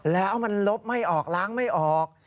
แล้วมันลบไม่ออกล้างไม่ออก